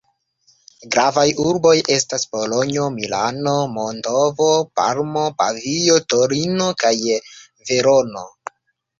Gravaj urboj estas Bolonjo, Milano, Mantovo, Parmo, Pavio, Torino kaj Verono.